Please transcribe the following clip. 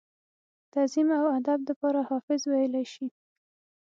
تعظيم او ادب دپاره حافظ وئيلی شي ۔